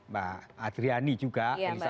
mbak adriani juga